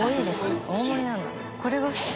うんこれが普通。